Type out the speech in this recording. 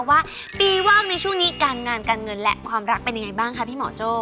ว่าปีว่าวในช่วงนี้การงานการเงินและความรักเป็นยังไงบ้างคะพี่หมอโจ้